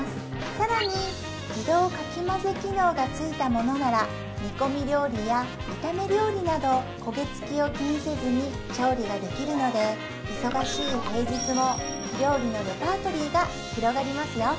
更に自動かきまぜ機能が付いたものなら煮込み料理や炒め料理など焦げ付きを気にせずに調理ができるので忙しい平日も料理のレパートリーが広がりますよ